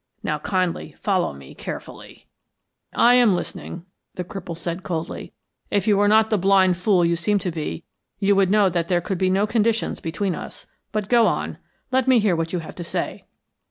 Now kindly follow me carefully." "I am listening," the cripple said, coldly. "If you were not the blind fool you seem to be you would know that there could be no conditions between us; but go on. Let me hear what you have to say."